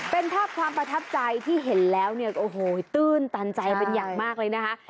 เป็นภาพความประทับใจที่เห็นแล้วเนี่ยโอ้โหตื้นตันใจเป็นอย่างมากเลยนะคะ